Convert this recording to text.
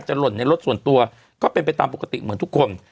หล่นในรถส่วนตัวก็เป็นไปตามปกติเหมือนทุกคน